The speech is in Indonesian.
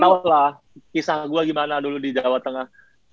mereka tau lah kisah gue gimana dulu di jawa tengah